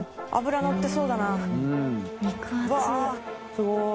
すごい。